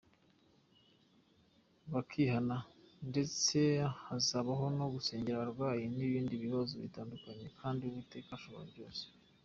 bakihana, ndetse hazabaho no gusengera abarwayi n'ibindi bibazo bitandukanye kandi Uwiteka ashobora byose.